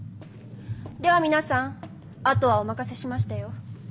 では皆さんあとはお任せしましたよ。